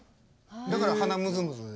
だから鼻ムズムズして。